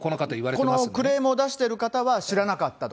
このクレーム出してる方は知らなかったと。